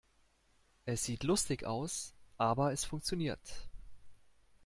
Es sieht lustig aus, aber es funktioniert.